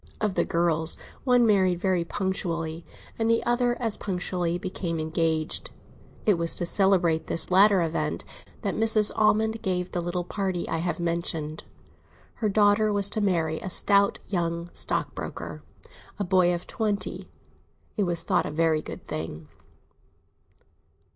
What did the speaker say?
Of the girls, one married very punctually, and the other as punctually became engaged. It was to celebrate this latter event that Mrs. Almond gave the little party I have mentioned. Her daughter was to marry a stout young stockbroker, a boy of twenty; it was thought a very good thing.